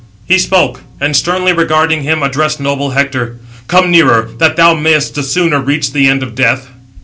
He spoke, and sternly regarding [him], addressed noble Hector: "Come nearer, that thou mayest the sooner reach the end of death."